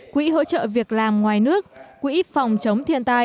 quỹ hỗ trợ việc làm ngoài nước quỹ phòng chống thiên tai